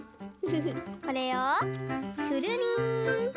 これをくるりん。